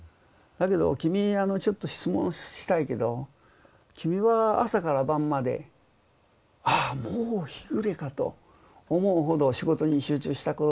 だけど君ちょっと質問したいけど君は朝から晩までああもう日暮れかと思うほど仕事に集中したことってあるでしょ？